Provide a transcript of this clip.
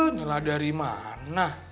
nyela dari mana